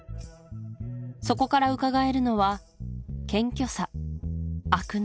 そこからうかがえるのは謙虚さ飽く